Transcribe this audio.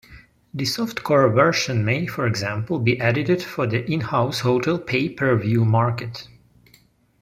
The softcore version may, for example, be edited for the in-house hotel pay-per-view market.